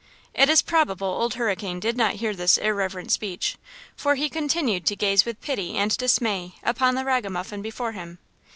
It is probable Old Hurricane did not hear this irreverent speech, for he continued to gaze with pity and dismay upon the ragamuffin before him.